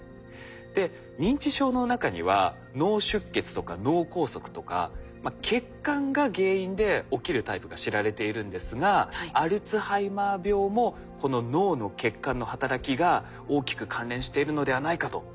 で認知症の中には脳出血とか脳梗塞とか血管が原因で起きるタイプが知られているんですがアルツハイマー病もこの脳の血管の働きが大きく関連しているのではないかと注目されているんです。